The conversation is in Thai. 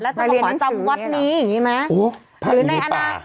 แล้วจะประมาณจำพระวัฒน์นี้อ่ะ